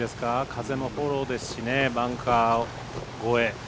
風もフォローですしねバンカー越え。